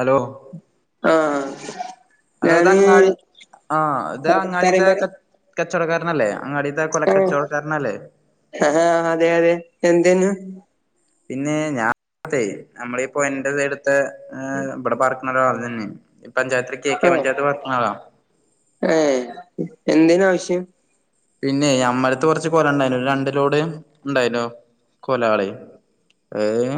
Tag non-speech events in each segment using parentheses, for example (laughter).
Hello? ആഹആ hello, ഇത് അങ്ങാടി ആഹ ഇത് പറയും അങ്ങാടിയതകെ പറയും കചോടക്കാരനല്ലേ? അങ്ങാടിതെ കൊല കചോടക്കാരനല്ലേ? ആഹ ഹാ അതെ അതെ എന്തേനു പിന്നെ ഞാൻതെ ഞമ്മളിപ്പോയ ന്റെസൈടുത്തെ ഇപടെ പാർക്കുന്നര ആൾ തന്നെയാ പഞ്ചായത്തിക് കെ. കെ. പഞ്ചായത്ത് പർക്ണആള ഏ എന്ത്നാവശ്യം പിന്നെ അമ്മലത്ത് കൊറച്ച് കൊല ണ്ടായിനു രണ്ടിലോട് ഉണ്ടായിനു കൊലആള് ഹേം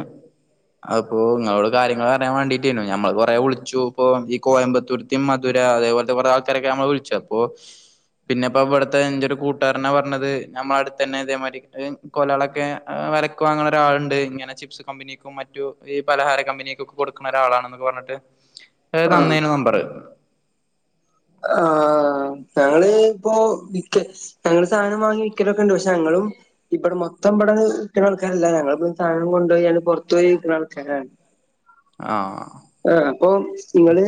അപ്പോ ങ്ങളോട് കാര്യങ്ങള്റയാൻ വേണ്ടീട്ടാരുന്നു. ഞമ്മൾ കുറേ വിളിച്ചു പ്പൊ ഈ കോയമ്പത്തൂർ ഈ മധുര അതേപോലത്തെ കുറേ ആൾക്കാരൊക്കെ നമ്മൾ വിളിച്ചപ്പോ. പിന്നെപ്പൊ ഇവിട്ത്തെ ത്തെ ഞ്ചൊരു കൂട്ടുകാരനാ പറഞ്ഞത് നമ്മള് അടുത്ത്ന്നെ തേമാതിരി കൊലളൊക്കെ വര ക്കു ഒരാളുണ്ട്ങ്ങെനെ ചിപ്സ് കമ്പനി മറ്റു ഈ പലഹാര കമ്പനിക്കുക്കെ കൊടുക്ക്ണ ഒരാളാണെന് പറഞ്ഞിട്ട് ആഹാ ആഹ് തന്നേനു നമ്പറ് ആ ഞങ്ങള് ഇപ്പോ മിക്കെ ഞങ്ങള്, സാനം വാങ്ങി, വിക്കലൊക്കെ, ഉണ്ട്, പക്ഷെ, ഞങ്ങളും ഇബടെ മൊത്തം, ഇബടെ, വിൽക്കണ, ആൾക്കാരല്ല, ഞങ്ങൾപ്പോ, സാധനം കൊണ്ടോയി, ഞങ്ങള്, പൊർത്തോയി, വിക്കണ ആൾകാരാണ്. (inaudible) ആഹ്. ആഹ്, അപ്പൊ, നിങ്ങള്,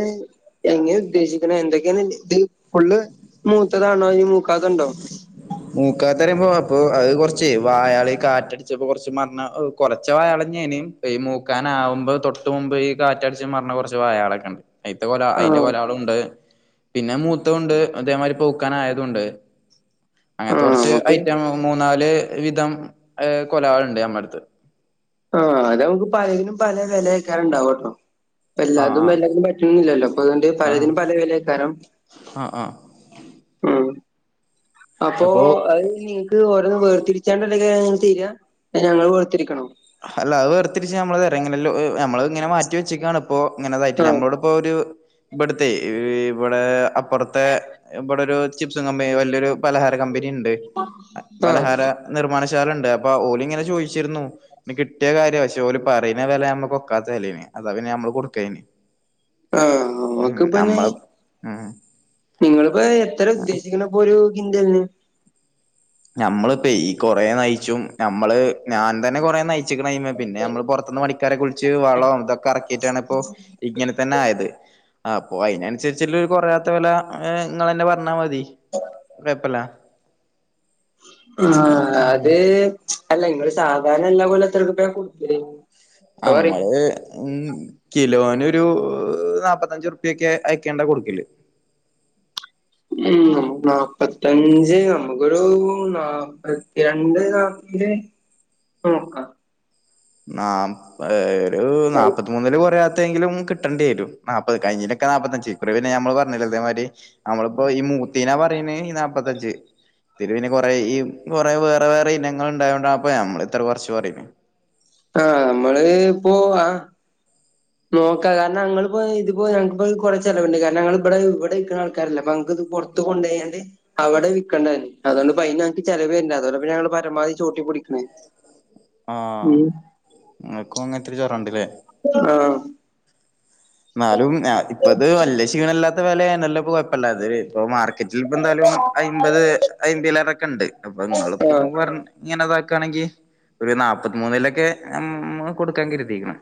എങ്ങനെ ഉദ്ദേശിക്കണെ, എന്തൊ അനെ, ഇത്, ഫുള്ള് മൂത്തതാണോ? അതോ, മൂക്കാതണ്ടോ? മൂക്കാത്തറിയുമ്പോ, അപ്പൊ അത്, കൊറച്ച് വായാള്, കാറ്റടിച്ചപ്പോ, കൊറച്ച്, മർഞ്ഞ എ് കൊലച്ച വായള്ന്നെയ്ഞ്ഞി, ഈ മൂക്കാനാവുമ്പോ, തൊട്ട് മുമ്പ് ഈ, കാറ്റടിച്ച്, മറഞ്ഞ കൊറച്ച്, വായളൊക്കെ, ഇണ്ട്. അയ്ത്തെ, കൊല അയിന്റെ, ആഹ് കൊലാളുണ്ട്, പിന്നെ, മൂത്തുണ്ട് അതേമാതിരി, പൂക്കാൻ ആയതുണ്ട്. അങ്ങനത്തെ, ആഹ് കൊറച്ച്, നമുക്ക് ഐറ്റം, മൂന്നാല്, വിധം, എഹ്, കൊലളുണ്ട്, നമ്മ അടുത്ത്. ആഹ്, അതമ്മക്ക്, പലതിനും പല വെലെയ്ക്കാരം, ഇണ്ടാവട്ടോ. ആ എല്ലാതും ആ എല്ലയിനും, പറ്റണന്നില്ലല്ലോ, അപ്പ അതുകൊണ്ട്, പലതിനും പല വെലയക്കാരണം. ആഹ്, ആഹ്. ഉം. അപ്പൊ അത് നിങ്ങക്ക് ഓരോന്നും, വേർതിരിച്ചാണ്ട്ണ്ടങ്കെങ്ങനാ, തരാ അഞങ്ങള്, വേർത്തിരിക്കണോ? അല്ല അത് വേർതിരിച്ച്, ഞമ്മള് തരാ, ഇങ്ങനെ, ലോ ഞമ്മള് ഇങ്ങനെ, മാറ്റി വെച്ചക്കാണ്, ഇപ്പോ, ഇങ്ങനെതായിട്ട്, ആഹ് ഞമ്മളോട് ഇപ്പോ ഒരു ബ്ടുത്തെ, ഇവടെ, അപ്പുറത്തെ ഇബടെ ഒരു, ചിപ്സും, കമ്പനി, വല്ല്യരു പലഹാര കമ്പനി ഇണ്ട്, ആഹ് പലഹാര നിർമ്മാണശാല ഉണ്ട്, അപ്പൊ ഓല് ഇങ്ങനെ, ചോദിച്ചിരുന്നു. ന് കിട്ട്യാ കാര്യ, പക്ഷേഓര് പറയണ വെല, ഞമ്മകൊക്കാത്ത, വെലേന്, അതാ പിന്നെ ഞമ്മള്, കൊടുക്കയ്ന്. ആഹ്, നമ്മ്ക്ക് പ്പ നി, ഉം നിങ്ങളിപ്പോ, എത്ര ഉദ്ദേശിക്കണ്? ഒരു, കിൻ്റ്വലിന്? ഞമ്മളിപ്പ ഈ കൊറേ നയിച്ചും, ഞമ്മള് ഞാൻ, തന്നെ, കൊറെ നയി ച്ചക്കണ്അയിമ്മെ, പിന്നെ, ഞമ്മള് പൊറത്ത്ന്ന്, പണി ണിക്കാരെ, വിളിച്ച്, വളം ഇതൊക്കെ, എറക്കിട്ടാണ്, ഇപ്പോ, ഇങ്ങനെ, തന്നെ ആയത്. അപ്പൊ അയിനനുസരിച്ചിള്ളരു, കൊറയാത്ത വെല, ഇങ്ങളെന്നെ, പറഞ്ഞാ മതി, കൊയപ്പല്ല. ആ അത്, അല്ല ഇങ്ങള് സാധാരണ, എല്ലാ കൊലേം, എത്രറുപ്പ്യ കൊടുക്കല്? അത് പറി ആമ്മള് ഉം, കിലോനൊരു നാപ്പത്തഞ്ച്, ഉറുപ്യക്കെ അയക്കേണ്ട, കൊടുക്കല്. ഉം, നമ്മക്ക് നാപ്പത്തഞ്ച്, നമ്മുക്കൊരു നാപ്പത്തിരണ്ട്, നാ പ്പത്തഞ്ച്ക്കെന്നോക്കാം. നാ, ഒരു, നാപ്പത്തിമൂന്നില്, കൊറയാത്തങ്കിലും, കി കിട്ടണ്ടി വരും, നാപ്പത് കഴിഞ്ഞേനൊക്കെ, നാപ്പത്തഞ്ച് ഇക്കുറി, പിന്നെ ഞമ്മള് പറഞ്ഞില്ലേ, ഇതേമാരി, നമ്മളിപ്പോ ഈ മൂ ത്തീനാ, പറയണ്, ഈ നാപ്പത്തഞ്ച്. തിരുവിനെ കുറേ ഈ കുറേ, വേറെ ത്തിരി പിന്നെ, കൊറെ യീ കൊറെ, വേറെ വേറെ, ഇനങ്ങൾ, ഇണ്ടായോണ്ടാണ്, അപ്പ ഞമ്മള്, ഇത്ര കൊറച്ച്, പറയണ്. ആഹ്, നമ്മള്, ഇപ്പോ, ആഹ്. നോക്കാ കാരണം ഞങ്ങള് ഇപ്പോ, ഇതിപ്പോ ഞങ്ങക്കിപ്പോത്, കൊറെ ചെലവുണ്ട്, കാരണം, ങ്ങള്, ബടെ ബടെ യിക്കണ ആൾക്കാരല്ല, അപ്പ ങ്ങക്കിത് പുറത്ത റത്ത്, കൊണ്ടോയണ്ട്. അവടെ വിക്കണ്ട വരും, അതോണ്ട് പയിന് ഞങ്ങക്ക്, ചെലവരണ്ട് അതോണ്ട, പ്പഞങ്ങള്, പരമാവധി, ചൂരുട്ടിപ്പിടിക്കണേ. ആഹ്, ഇങ്ങക്കും, അങ്ങനത്തൊരു, ജ്വരണ്ട്ല്ലേ? ആഹ്. ന്നാലും, ന, ഇപ്പൊ ഇത് വല്ല്യ ക്ഷീണല്ലാത്ത, വെലയാണല്ലോ, കൊഴപ്പല്ല, അത് ഇപ്പ മാറ് ക്കറ്റിൽ ഇപ്പ എന്തായാലും, അയ്മ്പത് അയ്മ്പിലേറൊക്കെ, ഇണ്ട് അപ്പൊ ഇങ്ങള്, ഇപ്പോ ആഹ് ന്ന് പറ ഇങ്ങനെ ഇതാക്കാണെങ്കി, ഒരു നാപ്പത്ത്മൂന്നിലൊക്കെ, ഉം, കൊടുക്കാൻ, കരുതിക്കണ്.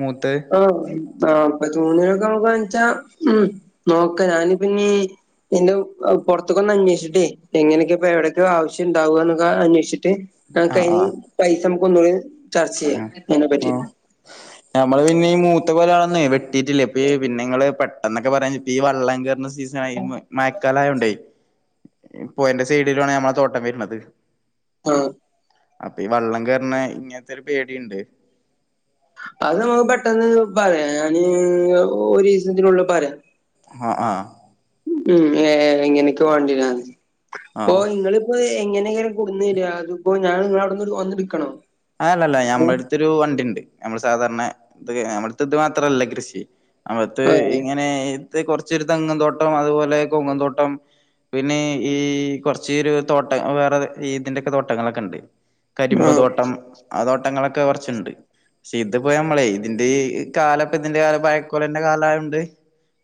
മൂത്തത്. ആഹ്, ആഹ്, അപ്പൊ തൂണൊക്കെ, നോക്കാന്ന്, വെച്ചാ, ഉം നോക്ക, ഞാനിപ്പന്നീ നിന്റെ, പുറത്തക്കൊന്ന അന്വേഷിച്ചിട്ടേ, എങ്ങനെയൊക്കെ, ഇപ്പ എവിടൊക്കോ, ആവശ്യംണ്ടാവ, എന്നൊക്കെ, അന്വേഷിച്ചിട്ട് ആഹ് ആകഴിഞ്, ആഹ് പൈസ നമുക്ക് ഒന്നുകൂടി, ചർച്ച ചെയ്യാം, അതിനെ പറ്റി. ഞമ്മള്, പിന്നെ ഈ മൂത്ത കൊലാളൊന്നെ, വെട്ടീട്ടില്ല, ഇപ്പയീ പിന്നെ ഇങ്ങള്, പെട്ടെന്നൊക്കെ പറയാ ഞിപ്പോ, ഈ വള്ളം, കേറണ സീസണാ യോണ്ട് മയക്കാലായോണ്ടെ പൊയേന്റെ സൈഡിലാണ് ഞമ്മളെ തോട്ടം വരണത് ആഹ് അപ്പൊ ഈ വെള്ളം കേറണ ഇങ്ങനത്തെ ഒരു പേടിണ്ട് അത് നമുക്ക് പെട്ടെന്ന് പറയാം ഞാന് ഒരീസത്തിനുള്ള് പറയാം ആഹ് ആഹ് ഉം ഏ എങ്ങനൊക്കെ വേണ്ടി രാന്ന് ഓ ആഹ് ഇങ്ങള് ഇപ്പോയ് എങ്ങനെ ഹെല കൊടുന്നെരാ അതിപ്പോ ഞാൻ ഇങ്ങള അവിടുന്ന് വന്ന് ഇട്ക്കണോ ആല്ലല്ല ഞമ്മടുത്തൊരു വണ്ടിണ്ട് നമ്മൾ സാധാരണ ഇത് നമ്മടുത്തെ ഇത് മാത്രല്ല കൃഷി അവിത്തെ ഏ ഇങ്ങനെ ഇ കൊറച്ചൊരു തെങ്ങൻന്തോട്ടം അതുപോലെ കൊങ്ങൻന്തോട്ടം പിന്നെ ഈ കൊറച്ച് ഒരു തോട്ട വേറെ ഇതിന്റൊ ക്കെ തോട്ടങ്ങളൊക്കെ ഉണ്ട് ആ കരിമ്പ് തോട്ടം ആ തോട്ടങ്ങളൊക്കെ കുറച്ചണ്ട് പക്ഷെ ഇത് പോയി നമ്മളെ ഇതിന്റെ കാലപ്പ ഇതിന്റെ കാല പഴക്കലന്റെ കാലായോ ണ്ട്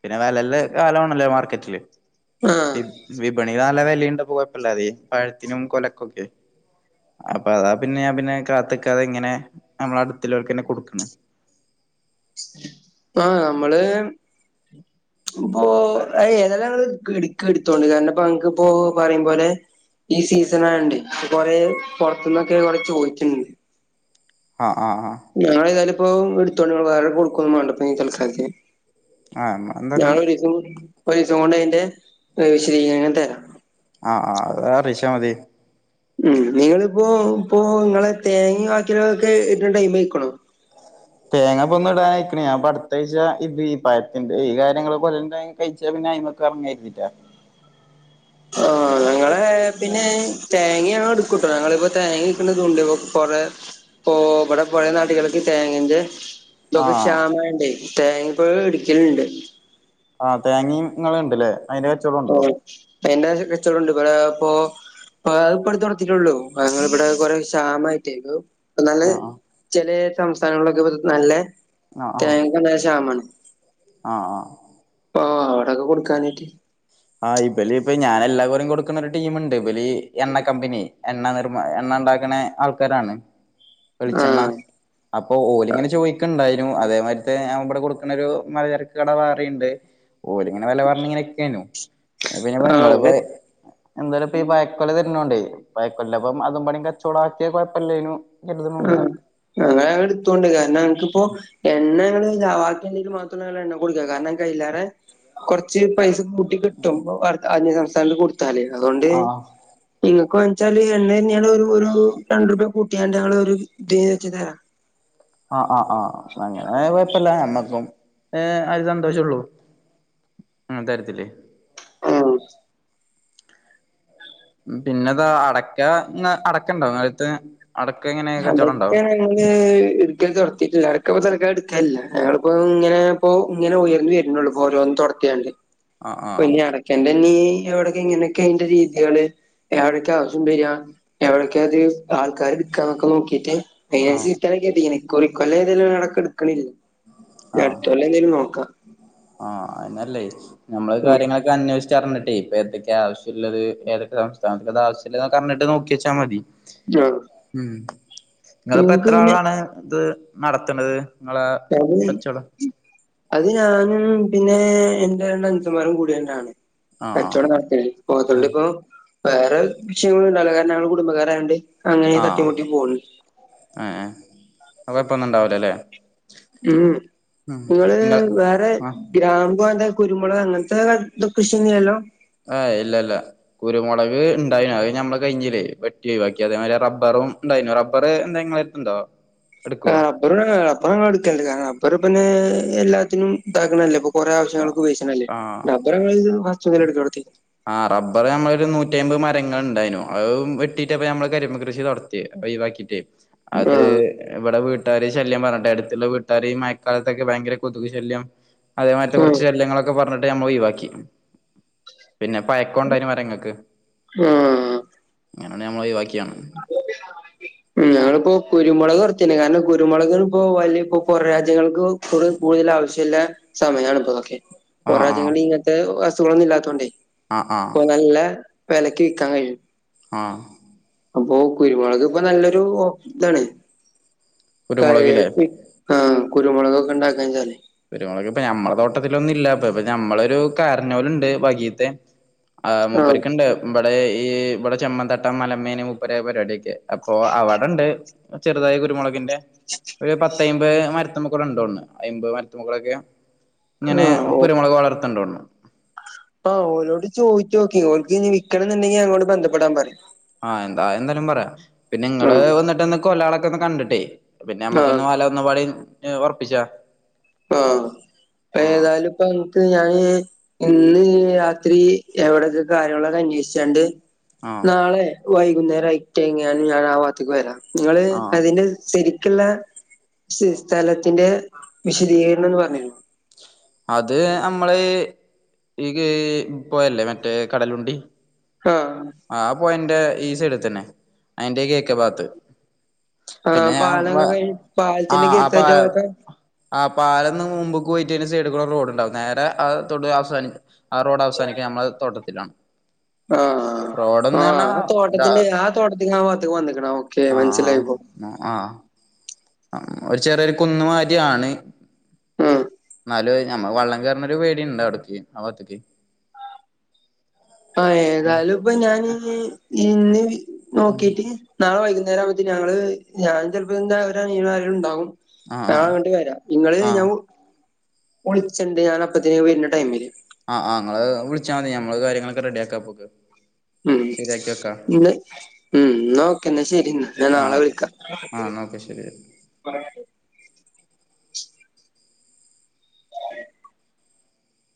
പിന്നെ വിലല്ല കാലമാണല്ലോ മാർക്കറ്റില് ആ വിപണി നല്ല വിലയുണ്ട് കുഴപ്പില്ലാതെ പഴത്തിനും കൊലക്കൊക്കെ അപ്പൊ അതാ പിന്നെ ഞാൻ പിന്നെ കാത്തക്കാതെ ഇങ്ങനെ നമ്മള അടുത്തുള്ളവർക്ക്ന്നെ കൊടുക്കണെ ആഹ നമ്മള് ഓ ഏതെല്ലാം എടുക്ക എടുത്തോണ്ട് കാരണം ഇപ്പ അങ്ങ ക്ക് ഇ പോ പറയ പോലെ ഈ സീസൺ ആയോ ണ്ട് കൊറെ പുറത്തുന്നൊക്കെ കുറെ ചോദിച്ചുണ്ട് ആഹ ആഹ ആഹ് ഞാനേതായാലിപ്പോ എടുത്തോണ്ട്ങ്ങള് വേറെ കൊടുക്കൊന്നും വേണ്ടപ്പ ഈ തൽക്കാലത്തിക്ക് ആഹ് നമ്മളെന്തായാലും ഞാനൊ ഒരു സം ഒരു സം കൊണ്ട് അതിൻ്റെ വിശദീകണം തരാം ആഹ് ആ അറീച്ച മതി ഉം നിങ്ങളിപ്പോ ഇപ്പോ നിങ്ങളെ തേങ്ങ ആക്കില ഒക്കെ ഇട്ട ടൈമായി ക്കണൊ തേങ്ങ പൊന്നും ഇടാനായിക്കണ ഞൻപ്പൊ അടുത്താ ഴ്ച ഴ ഇത്ഈപ്പായത്തിന്റെ ഈ കാര്യങ്ങള് പോലെന്നെ കഴിച്ചാ പിന്നെ അയിമക്ക് ഇറങ്ങായിട്ടില്ല ഏ പിന്നെ തേങ്ങാങ്ങള് എടുക്കൂട്ടോ ഞങ്ങളിപ്പോ തേങ്ങ ടുക്കണ ഉണ്ട് ഇ കൊറെ ഇപ്പോ ഇവിടെ പഴയ നാട്ടികൾക്ക് തേങ്ങ ൻ്റെ ഇതൊക്കെ ആഹ് ക്ഷാമ ആയോണ്ടെ തേങ്ങപ്പോഴ ഇടുക്കലുണ്ട് ആഹ് തേങ്ങയും ഇങ്ങളെഉണ്ടല്ലേ അയിനെ ആ എന്റെ കച്ചവടുണ്ട് ഇവിടെ ഇപ്പൊ അപ്പ അത് പത്ത നടത്തിട്ടുള്ളൂ ഞങ്ങ ഇവിടെ കൊറെ ക്ഷാമമായിട്ടേല്ലോ നല്ല ആഹ് ചില സംസ്ഥാനങ്ങളിലൊക്കെ നല്ല തേ ങ്ങക്ക് നല്ല ക്ഷാമാണ് ആ ആ ആ അവിടൊക്കെ കൊടുക്കാനായിറ്റ് ആഹ് ഇബലി ഇപ്പൊ ഞാൻ എല്ലാകൊല്ലം കൊടുക്കുന്ന ഒരു ടീമുണ്ട് ഇബലി എണ്ണ കമ്പനി എണ്ണ നിർമ എണ്ണ ഉണ്ടാക്കണ ആൾക്കാരാണ് (inaudible) വെളിച്ചെണ്ണ അപ്പൊ ഓര് ഇങ്ങനെ ചോദിക്കണ്ടായി നു അതേ മാ ര്യ ത്തെ ഞൻ ഇവിടെ കൊടുക്കണെ ഒരു മലചരക്ക് കട വേറുണ്ട് ഓര് ഇങ്ങനെ വില പറഞ്ഞിങ്ങനെക്കെ ന്നു പിന്നെ ആഹ് നിങ്ങളപ്പോ ഓലെ എന്തായാലും ഇപ്പ ഈ പയക്കൊല തരുന്നോണ്ടേ പയകൊല അപ്പം അതും പാണ കച്ചവടം ആക്കിയ കുഴപ്പല്ലേനു ആ ഞങ്ങ എടുത്തോ ണ്ട് കാരണം എനക്കിപ്പോ എണ്ണങ്ങള് ക്കിയ എന്തെങ്കിൽ മാത്രംങ്ങ എണ്ണ കൊടുക്കുക കാരണം കയില്ലാറെ കൊറച്ച് പൈസ കൂട്ടി കിട്ടും അന്യ സംസ്ഥാനൽ കൊടുത്താലേ അതുകൊണ്ട് ആഹ് നിങ്ങക്ക് വെച്ചാല് എണ്ണ തന്നെയ ഒരു രണ്ട് രൂപ കൂട്ടിയാണ്ട് ഞങ്ങ ഒരു ഇത് വെച്ച തരാം ആഹ് ആഹ് ആഹ് അങ്ങനെയാൽ കൊയപ്പല്ല നമ്മക്കും ഏ അത് സന്തോഷംള്ളൂ മ് തരത്തില്ലേ ആഹ് പിന്നെതാ അടക്ക അടക്ക ഉണ്ടാവും നേരുത്തെ അടക്കങ്ങനെ അടക്കാങ്ങനെ ഞങ്ങള് ഇടുക്ക തുടങ്ങിട്ടില്ല അടക്ക ഇപ്പ തൽക്കാലം എടുക്കാനില്ല ഞങ്ങളിപ്പോ ഇങ്ങനെ ഇപ്പൊ ഇങ്ങനെ ഉയർന്നു വരുന്നുള്ളൂ ഓരോന്നന്ന് തൊടത്തിയാണ്ട് ആഹ് പ്പ ആഹ് ഇനി അട ന്റെ ഇനി എവിടക്കെ ഇങ്ങനെയൊക്കെ അതിൻ്റെ രീതികള് എവിടക്കെ ആവശ്യം വരിക എവിടക്കെ അത് ആൾക്കാര് ക്കെ നോക്കിട്ട് ആഹ് (unintelligible) ഇക്കുറി ഇക്കൊല്ല ഏതാലും അടക്ക എടുക്കണില്ല ഇനി ആഹ് അടുത്ത കൊല്ലം എന്തേലും നോക്കാം ആഹ് ആ നല്ലേ നമ്മള് ഉം കാര്യങ്ങളൊക്ക അന്വേഷച്ച് അറിഞ്ഞിട്ടേ ഇപ്പ ഏതൊക്കെ ആവശ്യള്ളത് ഏതൊക്കെ സംസ്ഥാനത അത് ആവശ്യള്ളതൊക്കെ അറഞ്ഞിട്ട് നോക്കിയച്ചാ മതി ആ ഉം നിങ്ങളിപ്പോ നിങ്ങക്ക് എത്ര പിന്നെ ആളാണ് ഇത് നടത്ത്ണത് ഇങ്ങളെ (unintelligible) അത് ഞാനും പിന്നെ എന്റെ രണ്ട് അനുജന്മാരും കൂടിയാണ് ആഹ് കച്ചോടം നടത്തൽ ഇപ്പൊ ആഹ് അതോണ്ടിപ്പോ വേറെ വിഷയങ്ങളണ്ടവൂല്ല കാരണം ഞങ്ങൾ കുടുംബക്കാരായോണ്ട് അങ്ങനെ ആഹ് തട്ടിമുട്ടി പോണ് ആഹ് അത് കൊയപ്പം ഒന്നും ഉണ്ടാവൂല്ലല്ലേ ഉം നിങ്ങള് ഇങ്ങള് വേറെ ആഹ് ഗ്രാമ്പു അങ്ങനത്തെ കുരുമുളക് അങ്ങനത്തെ കൃഷില്ലല്ലോ ആഹ് ഇല്ല ഇല്ല കുരുമുളക് ഉണ്ടായിന അത് നമ്മൾ കഴിഞ്ഞില്ലേ വെട്ടി ഒഴിവാക്കി അതേ റബ്ബറും ഉണ്ടായിനു റബ്ബ റബ്ബർ എന്തേ ഇങ്ങളെട്ത്ത്ണ്ടോ എടുക്കോ ആഹ് റബ്ബറ് റബ്ബർ ഞങ്ങൾ എടുക്കല്ണ്ട് കാരണം റബ്ബർ പിന്നെ എല്ലാത്തിനും ഇതാക്കണല്ലേ കുറേ ആവശ്യങ്ങൾക്ക് ആഹ് ഉപയോഗിച്ചിനല്ലേ ആഹ് റബ്ബർ ഞങ്ങൾ ഫസ്റ്റ് മുതൽ എടുക്കലൊടത്തി ആ റബ്ബർ നമ്മളൊരു നൂറ്റിയമ്പത് മരങ്ങൾ ഇണ്ടായിനു അത് വെട്ടിട്ടപ്പ നമ്മള് കരിമ്പ് കൃഷി തുട തെ ഒയിവാക്കിറ്റേ അത് ആഹ് ഇവിടെ വീട്ടുകാർ ശല്യം പറഞ്ഞിട്ടെ അടുത്തുള്ള വീട്ടുകാര് മയക്കാലത്തൊക്കെ ഭയങ്കര കൊതുകു ശല്യം അതേമാ ത്തെ കുറച്ച് ആഹ് ശല്യങ്ങളൊക്കെ പറഞ്ഞിട്ട് ഞമ്മൾ ഒയിവാക്കി പിന്നെ പായൊക്കം ഉണ്ടായിനു മരങ്ങൾക്ക് ആഹ് അങ്ങനെ നമ്മൾ ഒയിവാക്കിയാണ് ഉം ഞങ്ങളിപ്പോ കുരുമുളക് കുറച്ചന്നെ കാരണം കുരുമുളക്ന് ഇപ്പോ വലിയ ഇപ്പൊ പൊറ രാജ്യങ്ങൾക്ക് കുറേ കൂടുതൽ ആവശ്യള്ള സമയാണ് ഇപ്പോതൊക്കെ ആ പൊറ ആ രാജ്യങ്ങളിൽ ഇങ്ങനത്തെ വസ്തുക്കളൊന്നും ഇല്ലാത്തോണ്ടേ ആഹ് ആഹ് ഇപ്പ നല്ല വെലക്ക് വിക്കാൻ കഴിയും ആ അപ്പൊ കുരുമുളക് ഇപ്പൊ നല്ലൊരു ഓപ് ഇതാണ് ക കുരുമുളകില്ലേ ആഹ് കുരുമുളകക്കെണ്ടാക്കാച്ചാല് കുരുമുളക് ഇപ്പ ഞമ്മടെ തോട്ടത്തിലൊന്നുംല്ല ഇപ്പ ഞമ്മളൊരു കാരണോല്ണ്ട് വകീത്തെ ആ ആഹ് മുപ്പരിക്ക്ണ്ട് ഇമ്മടെ ഈ ഇവിടെ ചെമ്മന്തട്ടം മലമേന മുപ്പര പരിപാടിയൊക്കെ അപ്പൊ അവിടെണ്ട് ചെറുതായി കുരുമുളകിന്റെ ഒരു പത്തയമ്പത് മരത്തുമകൂടെ ഉണ്ടോന്ന് അയമ്പത് മരത്തുമക്കളൊക്കെ ഇങ്ങനെ ആഹ് ഓ കുരുമുളക് വളർത്ത്ണ്ട് തോന്നുണു ആഹ് ഓലോട് ചോയിചോക്കിം ഓല്ക്കിനി വിക്കണംന്നുണ്ടെങ്കിൽ ഞങ്ങോട് ബന്ധപ്പെടാൻ പറയ് ആഹ് എന്താ എന്തായാലും പറയാം പിന്നെ ങ്ങള് ആഹ് വന്നിട്ട്ന്ന് കൊലളൊക്കെ ഒന്ന് കണ്ടിട്ടേ പിന്നെ ആഹ് നമ്മുക്കൊന്ന് വല ന്നപാടിൻ ഞ ഉറപ്പിച്ചാ. ആഹ് അപ്പ ആ ഏതായാലും ഇപ്പക്ക് ഞാൻ ഇന്ന് രാ ത്രി എവിടക്കെ കാര്യങ്ങളൊക്കെ അന്വേഷിച്ചണ്ട് ആ നാളെ വൈകുന്നേരം ആയിട്ട് എങ്ങനും ഞാൻ ആ ഭാത്തക്ക് വരാം. നിങ്ങള് ആ അതിന്റെ സരിക്കുള്ള. സ്ഥലത്തിന്റെ വിശദീകരണംന്ന് പറഞ്ഞുതരെ അത് നമ്മള് ഈ പോയല്ലേ മറ്റേ കടലുണ്ടി. ആഹ് ആ പോയന്റെ ഈ സൈഡിൽ തന്നെ അയിന്റെ കേക്കെബാത്ത്. ആഹ് പിന്നെ ഞ പാലൊക്കെ കഴിഞ്ഞ് ആ പാലത്തിന്റെ അപ്പൊ കിഴക്കേയറ്റ ഭാഗത്താ ആ പാലന്ന് മുമ്പ്ക്ക് പോയിട്ട് സൈഡ്ക്കുടെ റോഡ് ഉണ്ടാവും. നേരെ തൊടു അവസവാനി ആ റോഡ് അവസാനിക്ക നമ്മള തോട്ടത്തിലാണ്. ആഹ് റോഡന്ന് ആഹ് പറഞ്ഞാ ആ ഇതാ തോട്ടത്തിൻ്റെ, ആ തോട്ടത്തിൻ്റെ ആ വാത്ക് ഞാൻ വന്ന്ക്ക്ണ് ആ ഓക്കെ മനസ്സിലായിപ്പം. ആഹ് ഒരു ചെറിയരു കുന്നമാരിയാണ്. ഹ്മ് ന്നാലും അഅ് ഞമ്മ വള്ളം കേർന്നൊരു പേടിയുണ്ടവിട്ക്ക് ആവാത്ക്ക്. ആ ഏതായാലും ഇപ്പൊ ഞാൻ ഇന്ന് നോക്കിട്ട്. നാളെ വൈകുന്നേരവുംമ്പോത്തിൻ ഞങ്ങള് ഞാൻ ചെൽപ്പം ൻ്റെ ഒരനിയൻ ആരേലും ണ്ടാവും. ആ ഞാ അങ്ങട്ട് വരാ. ഇങ്ങള് ആ ഞാൻ ആ ഒളിച്ചണ്ട് ഞൻ അപ്പത്തിൻ വര്ണ ടൈമില്. ആ ആ നിങ്ങങ്ങള് വിളിച്ചാൽ മതി ഞമ്മള് കാര്യങ്ങളൊക്കെ റെഡി ആക്കാ പോക്ക്. ഉം. ഇ ഉം. ന്നാ ഓക്കെന്നാ ശരി ന്നാ ഞാൻ നാളെ വിളിക്കാ. ആ ന്നാ ഓക്കെ ശരി. (unintelligible)